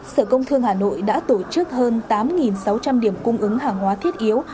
sở công thương hà nội đã tổ chức hơn tám sáu trăm linh điểm cung ứng hàng hóa thiết yếu